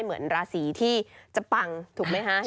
เหมือนราศีที่จะปังถูกไหมคะ